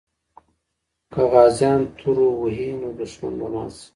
که غازیان تورو وهي، نو دښمن به مات سي.